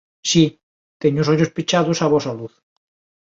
Si, teño os ollos pechados á vosa luz.